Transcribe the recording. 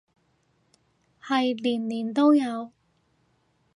係年年都有